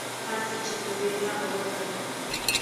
هر څه چې کوئ هغه وکړئ.